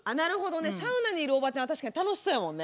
サウナにいるおばちゃんは確かに楽しそうやもんね。